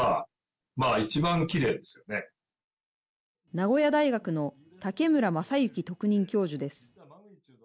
名古屋大学の武村雅之特任教授です